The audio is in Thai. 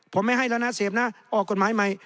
ผมไม่ให้แล้วนะเสพนะออกกฎหมายใหม่